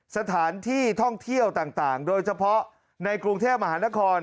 สถานที่ท่องเที่ยวต่างโดยเฉพาะในกรุงเทพมหานคร